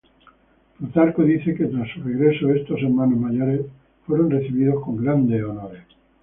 Plutarco dice que, tras su regreso, estos "hermanos mayores" fueron recibidos con grandes honores.